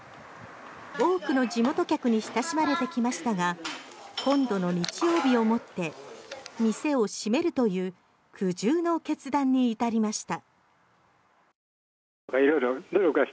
多くの地元客に親しまれてきましたが今度の日曜日をもって店を閉めるという苦渋の決断に至りました。